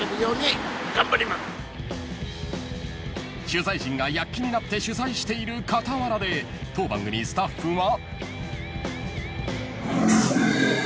［取材陣が躍起になって取材している傍らで当番組スタッフは］